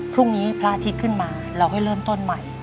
พระอาทิตย์ขึ้นมาเราให้เริ่มต้นใหม่